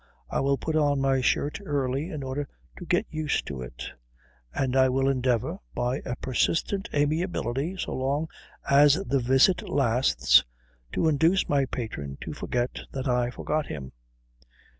I will put on my shirt early in order to get used to it. And I will endeavour, by a persistent amiability so long as the visit lasts, to induce my patron to forget that I forgot him."